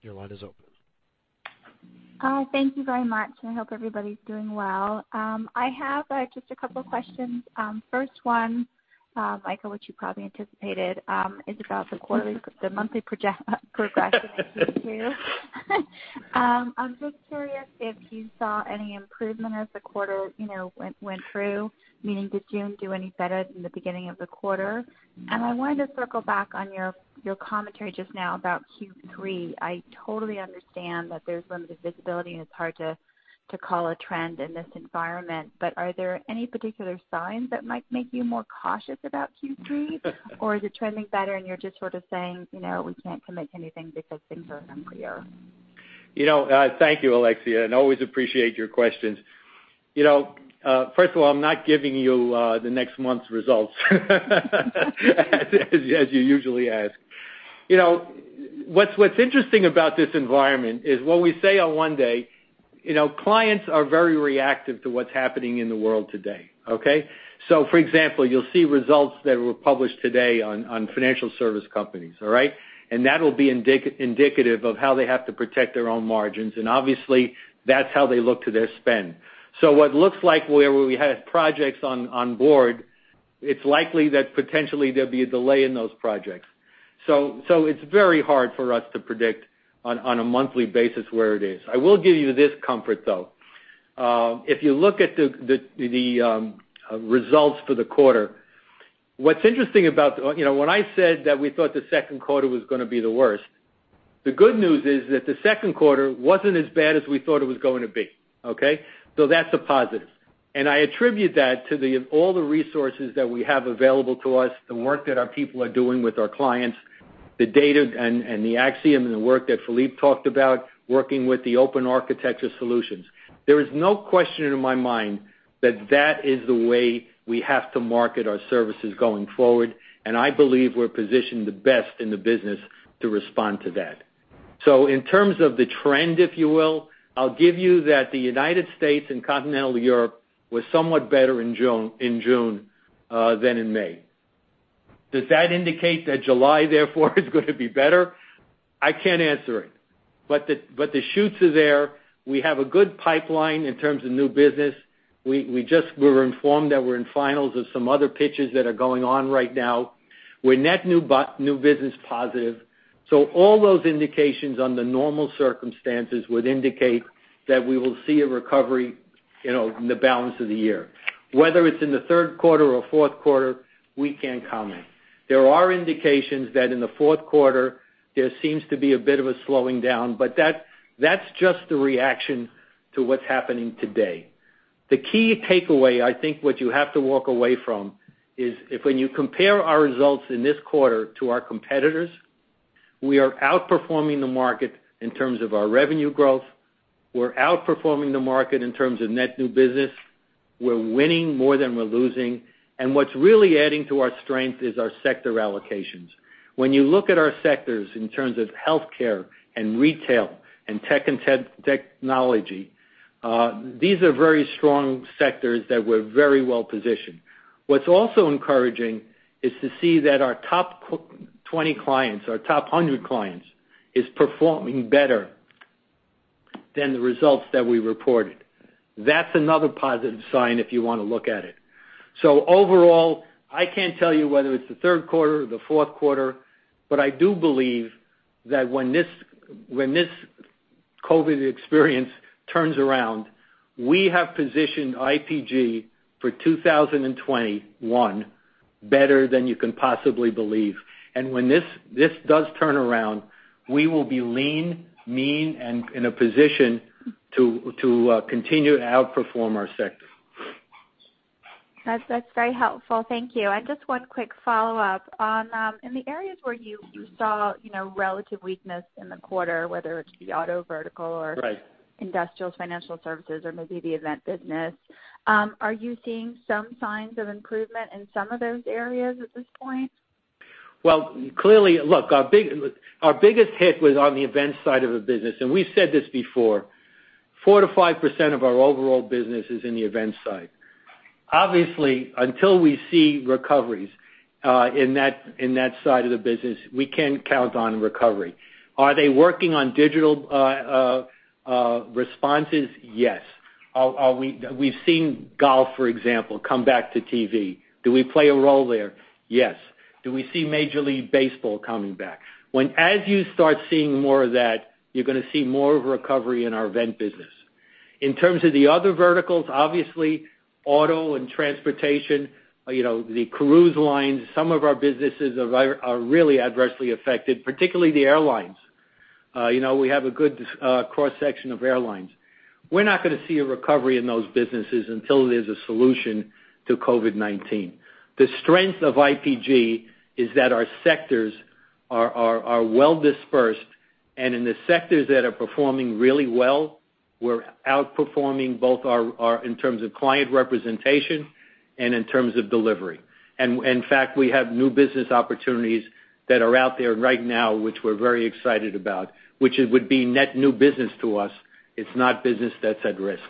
Your line is open. Thank you very much. I hope everybody's doing well. I have just a couple of questions. First one, Michael, which you probably anticipated, is about the quarterly monthly progression in Q2. I'm just curious if you saw any improvement as the quarter went through, meaning did June do any better than the beginning of the quarter? And I wanted to circle back on your commentary just now about Q3. I totally understand that there's limited visibility and it's hard to call a trend in this environment, but are there any particular signs that might make you more cautious about Q3, or is it trending better and you're just sort of saying, "We can't commit to anything because things are unclear"? Thank you, Alexia, and always appreciate your questions. First of all, I'm not giving you the next month's results, as you usually ask. What's interesting about this environment is what we say on one day, clients are very reactive to what's happening in the world today. Okay? So, for example, you'll see results that were published today on financial service companies, all right? And that will be indicative of how they have to protect their own margins, and obviously, that's how they look to their spend. So what looks like where we had projects on board, it's likely that potentially there'll be a delay in those projects. So it's very hard for us to predict on a monthly basis where it is. I will give you this comfort, though. If you look at the results for the quarter, what's interesting about when I said that we thought the second quarter was going to be the worst, the good news is that the second quarter wasn't as bad as we thought it was going to be. Okay? So that's a positive. And I attribute that to all the resources that we have available to us, the work that our people are doing with our clients, the data and the Acxiom and the work that Philippe talked about, working with the open architecture solutions. There is no question in my mind that that is the way we have to market our services going forward, and I believe we're positioned the best in the business to respond to that. So in terms of the trend, if you will, I'll give you that the United States and continental Europe were somewhat better in June than in May. Does that indicate that July, therefore, is going to be better? I can't answer it, but the shoots are there. We have a good pipeline in terms of new business. We were informed that we're in finals of some other pitches that are going on right now. We're net new business positive. So all those indications under normal circumstances would indicate that we will see a recovery in the balance of the year. Whether it's in the third quarter or fourth quarter, we can't comment. There are indications that in the fourth quarter, there seems to be a bit of a slowing down, but that's just the reaction to what's happening today. The key takeaway, I think what you have to walk away from is if when you compare our results in this quarter to our competitors, we are outperforming the market in terms of our revenue growth. We're outperforming the market in terms of net new business. We're winning more than we're losing, and what's really adding to our strength is our sector allocations. When you look at our sectors in terms of healthcare and retail and tech and technology, these are very strong sectors that we're very well positioned. What's also encouraging is to see that our top 20 clients, our top 100 clients, are performing better than the results that we reported. That's another positive sign if you want to look at it. So overall, I can't tell you whether it's the third quarter or the fourth quarter, but I do believe that when this COVID experience turns around, we have positioned IPG for 2021 better than you can possibly believe. And when this does turn around, we will be lean, mean, and in a position to continue to outperform our sector. That's very helpful. Thank you. And just one quick follow-up. In the areas where you saw relative weakness in the quarter, whether it's the auto vertical or industrials, financial services, or maybe the event business, are you seeing some signs of improvement in some of those areas at this point? Well, clearly, look, our biggest hit was on the event side of the business, and we've said this before. 4%-5% of our overall business is in the event side. Obviously, until we see recoveries in that side of the business, we can't count on recovery. Are they working on digital responses? Yes. We've seen golf, for example, come back to TV. Do we play a role there? Yes. Do we see Major League Baseball coming back? As you start seeing more of that, you're going to see more of a recovery in our event business. In terms of the other verticals, obviously, auto and transportation, the cruise lines, some of our businesses are really adversely affected, particularly the airlines. We have a good cross-section of airlines. We're not going to see a recovery in those businesses until there's a solution to COVID-19. The strength of IPG is that our sectors are well-dispersed, and in the sectors that are performing really well, we're outperforming both in terms of client representation and in terms of delivery. And in fact, we have new business opportunities that are out there right now, which we're very excited about, which would be net new business to us. It's not business that's at risk.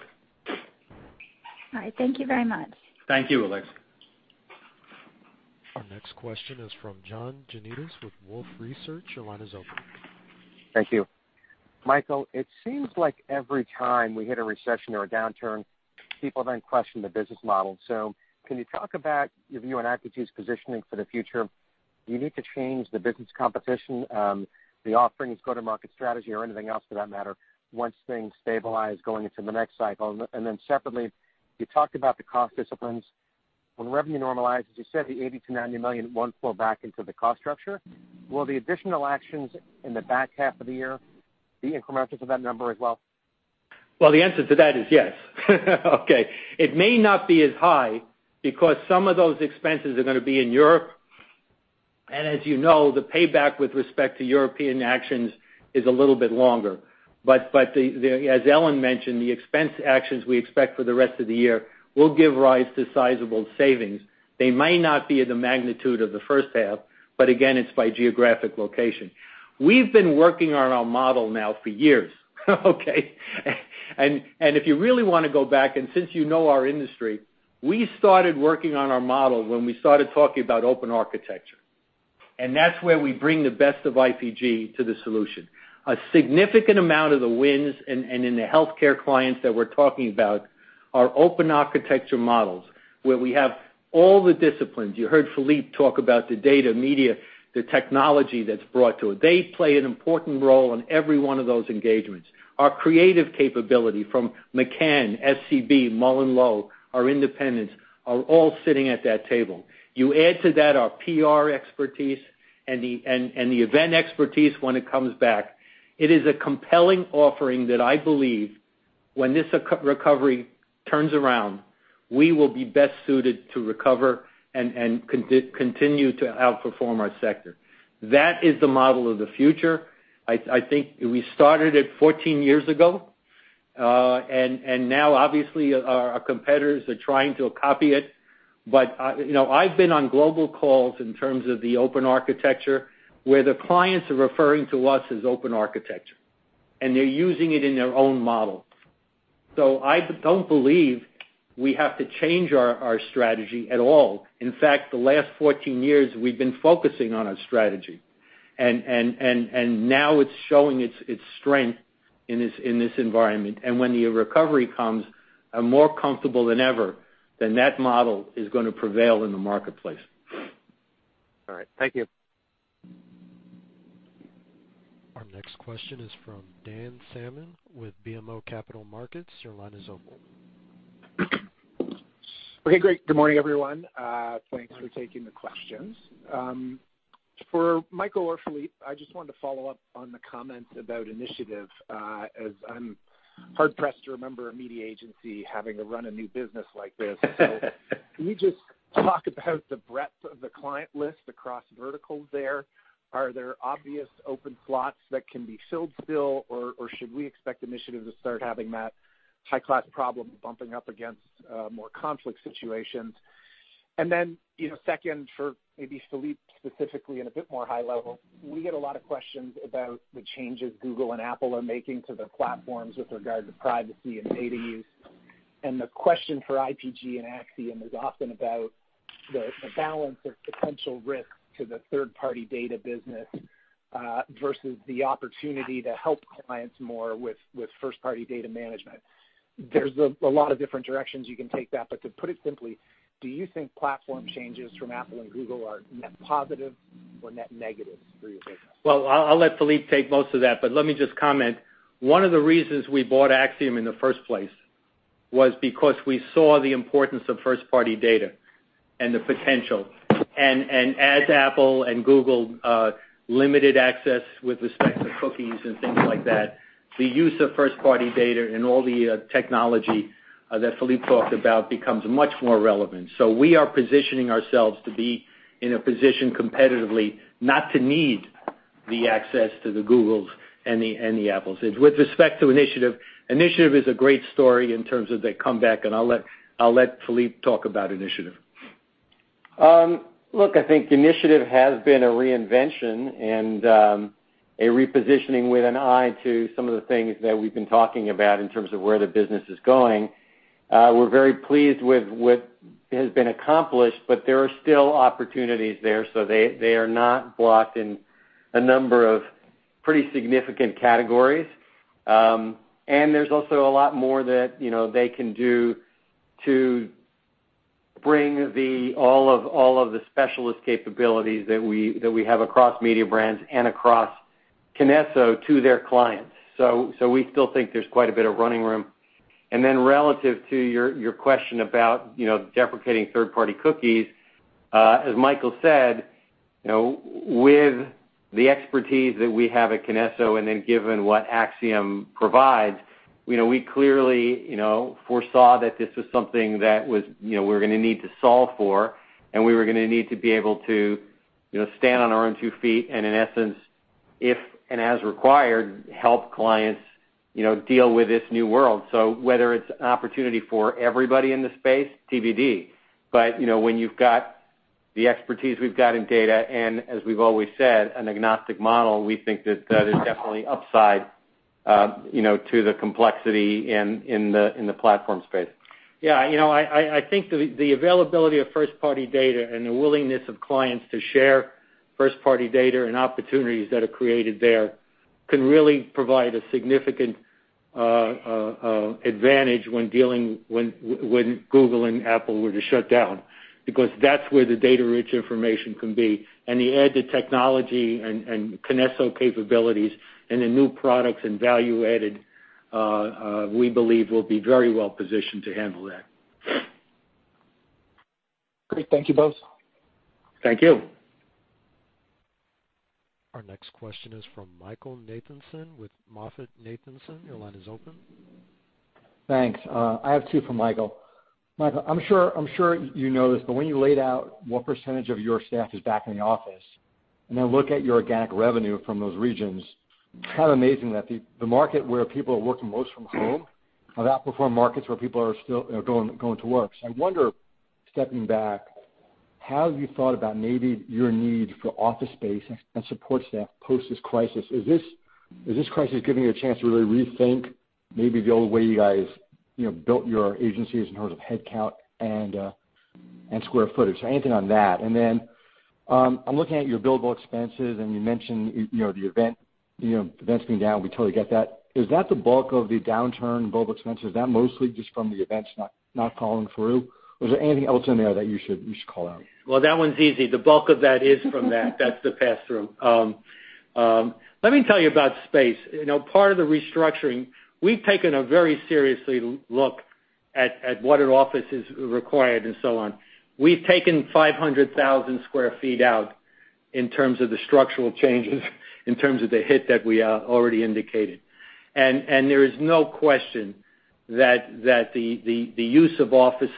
All right. Thank you very much. Thank you, Alexia. Our next question is from John Janedis with Wolfe Research. Your line is open. Thank you. Michael, it seems like every time we hit a recession or a downturn, people then question the business model. So can you talk about your view on IPG's positioning for the future? Do you need to change the business competition, the offerings, go-to-market strategy, or anything else for that matter once things stabilize going into the next cycle? And then separately, you talked about the cost disciplines. When revenue normalizes, you said the $80 million-$90 million won't flow back into the cost structure. Will the additional actions in the back half of the year be incremental to that number as well? Well, the answer to that is yes. Okay. It may not be as high because some of those expenses are going to be in Europe. And as you know, the payback with respect to European actions is a little bit longer. But as Ellen mentioned, the expense actions we expect for the rest of the year will give rise to sizable savings. They might not be at the magnitude of the first half, but again, it's by geographic location. We've been working on our model now for years. Okay? And if you really want to go back, and since you know our industry, we started working on our model when we started talking about open architecture. And that's where we bring the best of IPG to the solution. A significant amount of the wins in the healthcare clients that we're talking about are open architecture models where we have all the disciplines. You heard Philippe talk about the data, media, the technology that's brought to it. They play an important role in every one of those engagements. Our creative capability from McCann, FCB, MullenLowe, our independents are all sitting at that table. You add to that our PR expertise and the event expertise when it comes back. It is a compelling offering that I believe when this recovery turns around, we will be best suited to recover and continue to outperform our sector. That is the model of the future. I think we started it 14 years ago, and now, obviously, our competitors are trying to copy it. But I've been on global calls in terms of the open architecture where the clients are referring to us as open architecture, and they're using it in their own model. So I don't believe we have to change our strategy at all. In fact, the last 14 years, we've been focusing on our strategy, and now it's showing its strength in this environment. And when the recovery comes, I'm more comfortable than ever that that model is going to prevail in the marketplace. All right. Thank you. Our next question is from Dan Salmon with BMO Capital Markets. Your line is open. Okay. Great. Good morning, everyone. Thanks for taking the questions. For Michael or Philippe, I just wanted to follow up on the comments about Initiative as I'm hard-pressed to remember a media agency having to run a new business like this. So can you just talk about the breadth of the client list across verticals there? Are there obvious open slots that can be filled still, or should we expect Initiative to start having that high-class problem bumping up against more conflict situations? And then second, for maybe Philippe specifically at a bit more high level, we get a lot of questions about the changes Google and Apple are making to their platforms with regard to privacy and data use. And the question for IPG and Acxiom is often about the balance of potential risk to the third-party data business versus the opportunity to help clients more with first-party data management. There's a lot of different directions you can take that, but to put it simply, do you think platform changes from Apple and Google are net positive or net negative for your business? I'll let Philippe take most of that, but let me just comment. One of the reasons we bought Acxiom in the first place was because we saw the importance of first-party data and the potential. As Apple and Google limited access with respect to cookies and things like that, the use of first-party data and all the technology that Philippe talked about becomes much more relevant. We are positioning ourselves to be in a position competitively not to need the access to the Googles and the Apples. With respect to Initiative, Initiative is a great story in terms of their comeback, and I'll let Philippe talk about Initiative. Look, I think Initiative has been a reinvention and a repositioning with an eye to some of the things that we've been talking about in terms of where the business is going. We're very pleased with what has been accomplished, but there are still opportunities there, so they are not blocked in a number of pretty significant categories. There's also a lot more that they can do to bring all of the specialist capabilities that we have across Mediabrands and across KINESSO to their clients. We still think there's quite a bit of running room. Then relative to your question about deprecating third-party cookies, as Michael said, with the expertise that we have at KINESSO and then given what Acxiom provides, we clearly foresaw that this was something that we were going to need to solve for, and we were going to need to be able to stand on our own two feet and, in essence, if and as required, help clients deal with this new world. Whether it's an opportunity for everybody in the space, TBD. But when you've got the expertise we've got in data and, as we've always said, an agnostic model, we think that there's definitely upside to the complexity in the platform space. Yeah. I think the availability of first-party data and the willingness of clients to share first-party data and opportunities that are created there can really provide a significant advantage when Google and Apple were to shut down because that's where the data-rich information can be. And the added technology and KINESSO capabilities and the new products and value added, we believe, will be very well positioned to handle that. Great. Thank you both. Thank you. Our next question is from Michael Nathanson with MoffettNathanson. Your line is open. Thanks. I have two for Michael. Michael, I'm sure you know this, but when you laid out what percentage of your staff is back in the office and then look at your organic revenue from those regions, it's kind of amazing that the market where people are working most from home have outperformed markets where people are still going to work. So I wonder, stepping back, how have you thought about maybe your need for office space and support staff post this crisis? Is this crisis giving you a chance to really rethink maybe the old way you guys built your agencies in terms of headcount and square footage? So anything on that? And then I'm looking at your billable expenses, and you mentioned the events being down. We totally get that. Is that the bulk of the downturn in billable expenses? Is that mostly just from the events not following through? Or is there anything else in there that you should call out? Well, that one's easy. The bulk of that is from that. That's the pass-through. Let me tell you about space. Part of the restructuring, we've taken a very serious look at what an office is required and so on. We've taken 500,000 sq ft out in terms of the structural changes, in terms of the hit that we already indicated. And there is no question that the use of office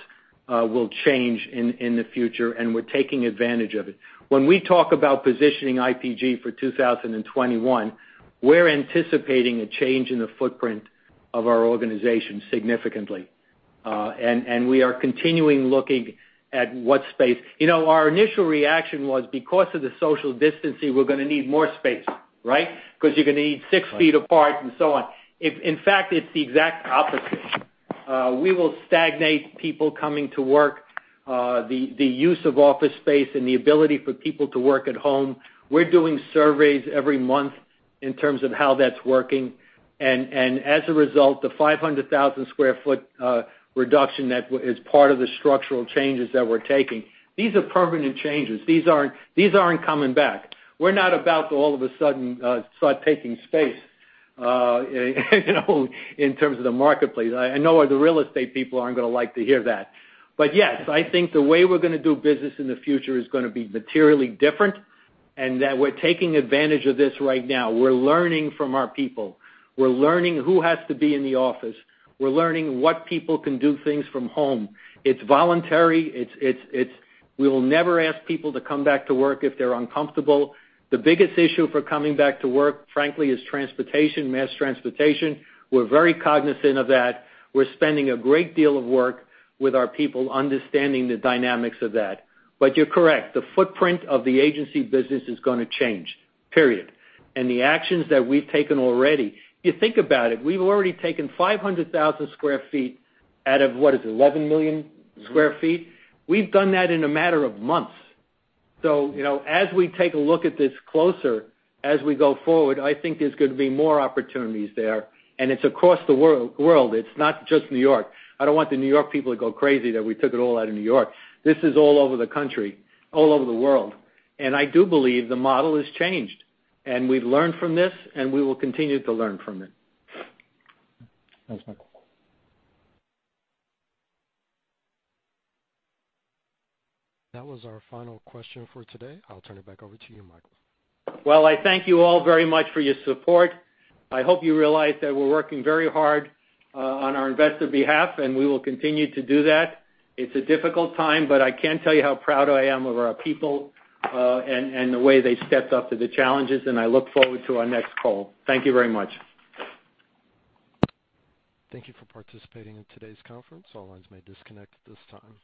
will change in the future, and we're taking advantage of it. When we talk about positioning IPG for 2021, we're anticipating a change in the footprint of our organization significantly. And we are continuing looking at what space. Our initial reaction was because of the social distancing, we're going to need more space, right? Because you're going to need 6 ft apart and so on. In fact, it's the exact opposite. We will stagnate people coming to work, the use of office space, and the ability for people to work at home. We're doing surveys every month in terms of how that's working, and as a result, the 500,000 sq ft reduction that is part of the structural changes that we're taking; these are permanent changes. These aren't coming back. We're not about to all of a sudden start taking space in terms of the marketplace. I know the real estate people aren't going to like to hear that, but yes, I think the way we're going to do business in the future is going to be materially different and that we're taking advantage of this right now. We're learning from our people. We're learning who has to be in the office. We're learning what people can do things from home. It's voluntary. We will never ask people to come back to work if they're uncomfortable. The biggest issue for coming back to work, frankly, is transportation, mass transportation. We're very cognizant of that. We're spending a great deal of work with our people understanding the dynamics of that. But you're correct. The footprint of the agency business is going to change, period. And the actions that we've taken already, if you think about it, we've already taken 500,000 sq ft out of, what is it, 11 million sq ft? We've done that in a matter of months. So as we take a look at this closer, as we go forward, I think there's going to be more opportunities there. And it's across the world. It's not just New York. I don't want the New York people to go crazy that we took it all out of New York. This is all over the country, all over the world, and I do believe the model has changed, and we've learned from this, and we will continue to learn from it. Thanks, Michael. That was our final question for today. I'll turn it back over to you, Michael. Well, I thank you all very much for your support. I hope you realize that we're working very hard on behalf of our investors, and we will continue to do that. It's a difficult time, but I can't tell you how proud I am of our people and the way they stepped up to the challenges, and I look forward to our next call. Thank you very much. Thank you for participating in today's conference. All lines may disconnect at this time.